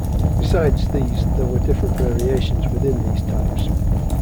Besides these there were different variations within these types.